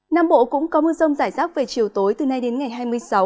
nam bộ cũng có mưa rông rải rác về chiều tối từ nay đến ngày hai mươi sáu